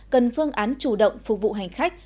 cần phương án chủ động phục vụ hành khách